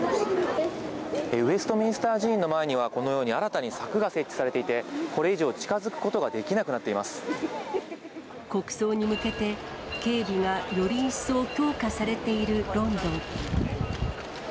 ウェストミンスター寺院の前にはこのように、新たに柵が設置されていて、これ以上、近づくこ国葬に向けて、警備がより一層強化されているロンドン。